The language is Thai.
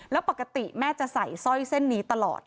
แล้วปกติแม่จะใส่สร้อยเส้นนี้ตลอด